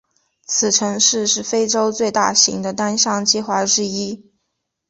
此城市是非洲最大型的单项计划之一。